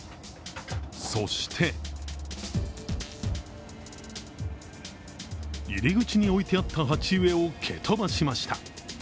そして入り口に置いてあった鉢植えを蹴飛ばしました。